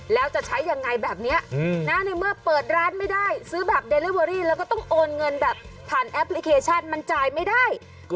แล้วจะใช้ยังไงแบบนี้นะในเมื่อเปิดร้านไม่ได้ซื้อแบบเดลิเวอรี่แล้วก็ต้องโอนเงินแบบผ่านแอปพลิเคชันมันจ่ายไม่ได้